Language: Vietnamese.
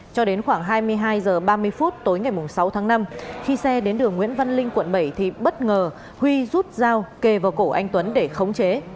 cho đến khoảng hai mươi hai h ba mươi phút tối ngày sáu tháng năm khi xe đến đường nguyễn văn linh quận bảy thì bất ngờ huy rút dao kề vào cổ anh tuấn để khống chế